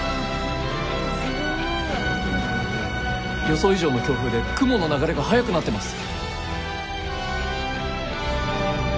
予想以上の強風で雲の流れが速くなってます！